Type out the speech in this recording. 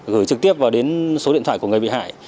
gửi trực tiếp vào đến số điện thoại của người bị hại